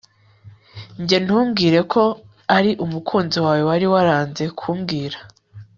Njye hm ntumbwire ko ari umukunzi wawe wari waranze kumbwira